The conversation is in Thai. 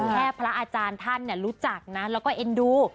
แค่พระอาจารย์ท่านรู้จักนะแล้วก็เอ็นดู